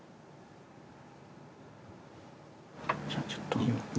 じゃあちょっと。